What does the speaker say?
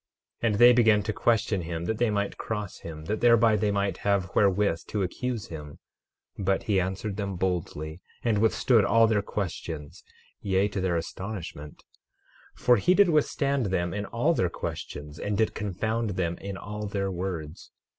12:19 And they began to question him, that they might cross him, that thereby they might have wherewith to accuse him; but he answered them boldly, and withstood all their questions, yea, to their astonishment; for he did withstand them in all their questions, and did confound them in all their words.